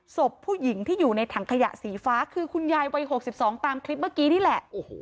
ศพผู้หญิงที่อยู่ในถังขยะสีฟ้าคือคุณยายวัย๖๒ตามคลิปเมื่อกี้นี่แหละ